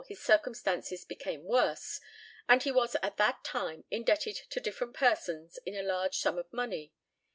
In 1854 his circumstances became worse, and he was at that time indebted to different persons in a large sum of money.